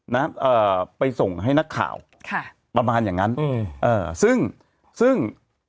เอ่อไปส่งให้นักข่าวค่ะประมาณอย่างงั้นอืมเอ่อซึ่งซึ่ง